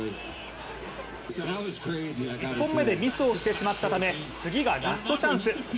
１本目でミスをしてしまったため次がラストチャンス。